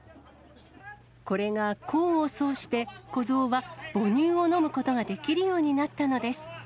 これが功を奏して、子ゾウは母乳を飲むことができるようになったのです。